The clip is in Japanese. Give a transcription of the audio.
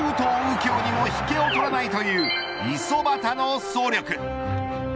京にも引けを取らないという五十幡の総力。